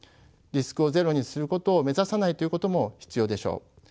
リスクをゼロにすることを目指さないということも必要でしょう。